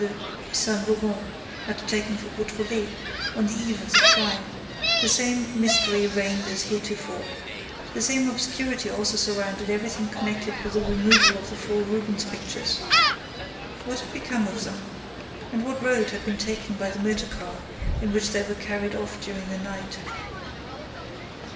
de Saint Véran had taken for Beautrelet, on the eve of the crime, the same mystery reigned as heretofore. The same obscurity also surrounded everything connected with the removal of the four Rubens pictures. What had become of them? And what road had been taken by the motor car in which they were carried off during the night?